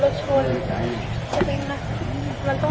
อาจจะไม่เห็น